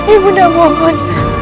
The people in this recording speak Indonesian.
ibu undangmu ampun